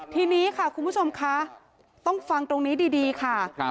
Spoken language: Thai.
ทีนี้ค่ะคุณผู้ชมคะต้องฟังตรงนี้ดีค่ะ